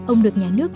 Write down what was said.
ông được nhà nước